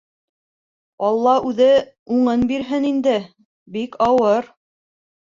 Алла үҙе уңын бирһен инде, бик ауыр...